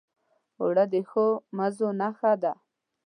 اوړه د ښو مزو نښه ده